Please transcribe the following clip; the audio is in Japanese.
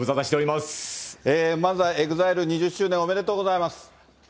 まずは、ＥＸＩＬＥ２０周年おめでとうございます。